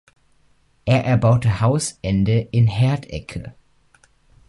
Er erbaute Haus Ende in Herdecke.